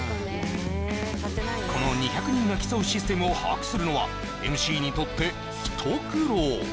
この２００人が競うシステムを把握するのはＭＣにとって一苦労